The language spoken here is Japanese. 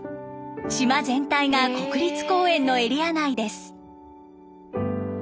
島全体が国立公園のエリア内です。